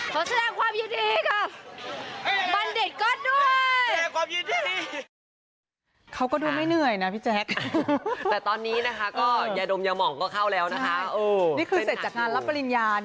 เพราะแสดงความยึดีครับบัณฑ์ดิชก็ด้วย